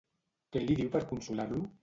Què li diu per consolar-lo?